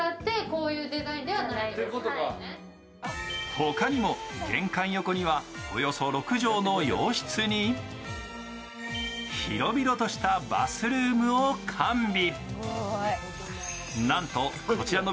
ほかにも玄関横にはおよそ６畳の洋室に広々としたバスルームを完備。